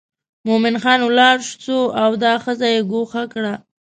مومن خان ولاړ شو او دا ښځه یې ګوښه کړه.